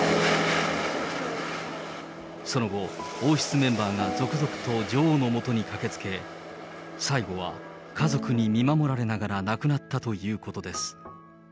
その後、王室メンバーが続々と女王のもとに駆けつけ、最後は家族に見守られながら亡くなったということです。